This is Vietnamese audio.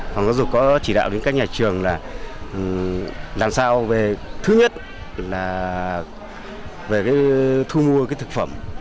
phòng giáo dục có chỉ đạo đến các nhà trường là làm sao về thứ nhất là về thu mua thực phẩm